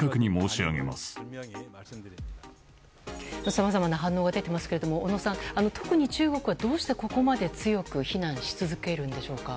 さまざまな反応が出ていますが小野さん、特に中国はどうしてここまで強く非難し続けるんでしょうか。